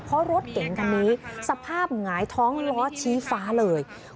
เพราะรถเก่งคันนี้สภาพหงายท้องล้อชี้ฟ้าเลย